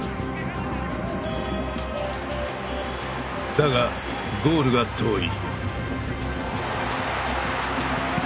だがゴールが遠い。